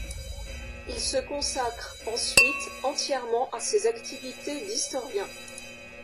Il se consacre ensuite entièrement à ses activités d'historien.